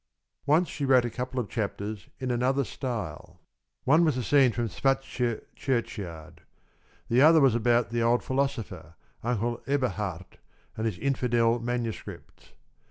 Once she wrote a couple of chapters in another style. One was a scene from Svartsjö churchyard; the other was about the old philosopher, Uncle Eberhard, and his infidel manuscripts.